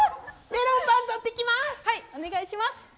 はい、お願いします！